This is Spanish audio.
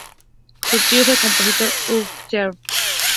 Su tío es el compositor Hugh Shrapnel.